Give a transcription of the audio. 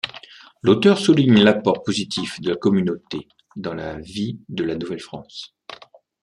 L'auteur souligne l'apport positif de la communauté dans la vie de la Nouvelle-France.